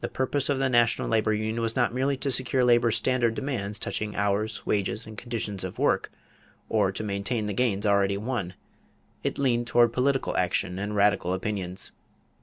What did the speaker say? The purpose of the National Labor Union was not merely to secure labor's standard demands touching hours, wages, and conditions of work or to maintain the gains already won. It leaned toward political action and radical opinions.